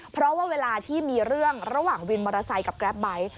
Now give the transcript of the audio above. เพราะว่าเวลาที่มีเรื่องระหว่างวินมอเตอร์ไซค์กับแกรปไบท์